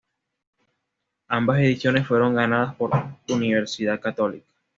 Ambas ediciones fueron ganadas por Universidad Católica.